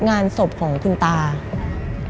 มันกลายเป็นรูปของคนที่กำลังขโมยคิ้วแล้วก็ร้องไห้อยู่